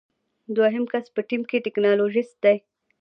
دوهم کس په ټیم کې ټیکنالوژیست دی.